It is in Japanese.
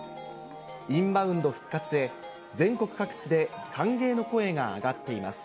インバウンド復活へ、全国各地で歓迎の声が上がっています。